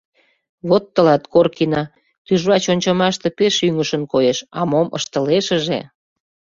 «Вот тылат Коркина — тӱжвач ончымаште пеш ӱҥышын коеш, а мом ыштылешыже»...